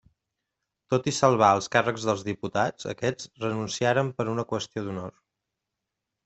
Tot i salvar els càrrecs dels diputats, aquests renunciaren per una qüestió d'honor.